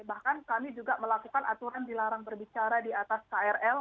bahkan kami juga melakukan aturan dilarang berbicara di atas krl